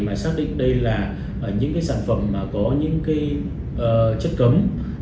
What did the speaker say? mà xác định đây là những sản phẩm có những chất cấm